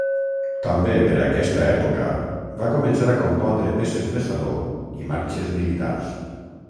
També per aquesta època va començar a compondre peces de saló i marxes militars.